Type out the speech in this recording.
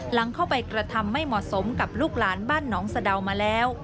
หลังเข้าไปกระทำไม่เหมาะสมกับลูกหลานบ้านหนองสะดาวมาแล้ว